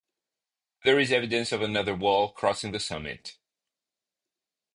There is evidence of another wall crossing the summit.